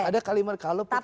ada kalimat kalau pkb setuju